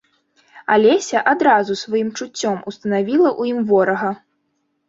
Алеся адразу сваім чуццём устанавіла ў ім ворага.